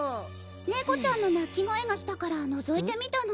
ネコちゃんの鳴き声がしたからのぞいてみたの。